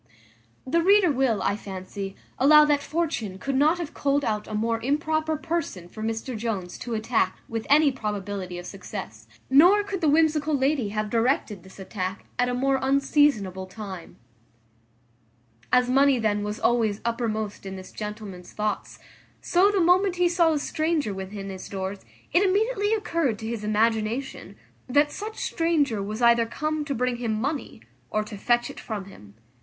The reader will, I fancy, allow that Fortune could not have culled out a more improper person for Mr Jones to attack with any probability of success; nor could the whimsical lady have directed this attack at a more unseasonable time. As money then was always uppermost in this gentleman's thoughts, so the moment he saw a stranger within his doors it immediately occurred to his imagination, that such stranger was either come to bring him money, or to fetch it from him.